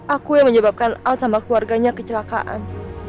aku yang menyebabkan al sama keluarganya kecelakaan